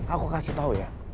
aku kasih tau ya